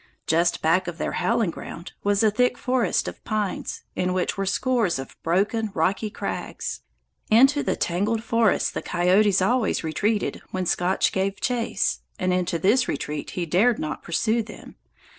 Just back of their howling ground was a thick forest of pines, in which were scores of broken rocky crags. Into the tangled forest the coyotes always retreated when Scotch gave chase, and into this retreat he dared not pursue them.